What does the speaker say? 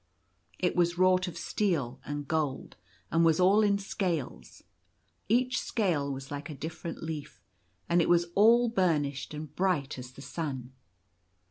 It was wrought of steel and gold, and was all in scales. Each scale was like a different leaf; and it was all bur nished and bright as the sun.